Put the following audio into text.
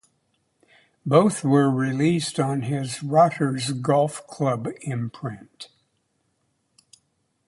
Both were released on his Rotters Golf Club imprint.